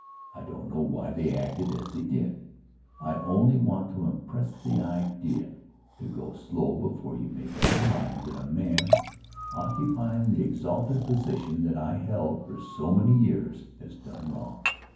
I don't know why they acted as they did; I only want to impress the idea to go slow before you make up your mind that a man, occupyin' the exalted position that 1 held for so many years, has done wrong.